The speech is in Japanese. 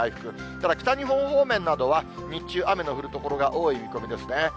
ただ北日本方面などは、日中雨の降る所が多い見込みですね。